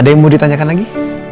ada yang mau ditanyakan lagi